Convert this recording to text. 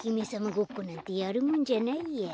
ごっこなんてやるもんじゃないや。